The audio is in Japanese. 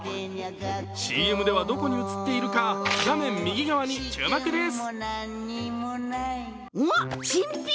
ＣＭではどこに映っているか、画面右側に注目です。